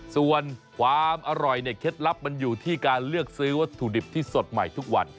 ส่วนความอร่อยเนี่ยเคล็ดลับมันอยู่ที่การเลือกซื้อวัตถุดิบที่สดใหม่ทุกวัน